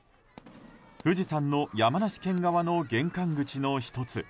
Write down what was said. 富士山の山梨県側の玄関口の１つ